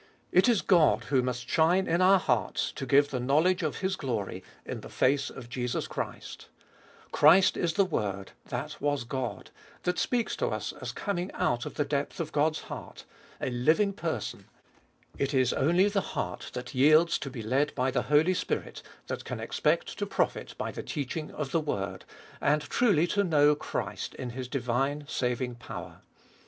It i God who must shine in our hearts to give the knowledge of His glory in the face of Jesus Christ Christ is the Word, " that was God," that speaks to us as coming out of the depth of God's heart, a living person ; it is only the heart that yields to be led by the Holy Spirit that can expect to profit by the teaching of the word, and truly to know Christ in His divine saving power.